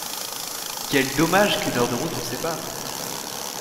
Quel dommage qu’une heure de route nous sépare!